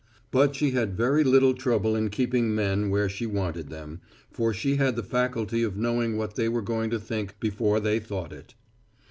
But she had very little trouble in keeping men where she wanted them, for she had the faculty of knowing what they were going to think before they thought it.